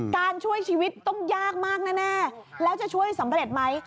ช่วยชีวิตต้องยากมากแน่แล้วจะช่วยสำเร็จไหม